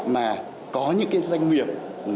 mà có những danh nguyện